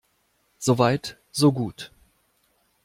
So weit, so gut.